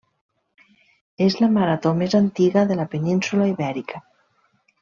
És la marató més antiga de la península Ibèrica.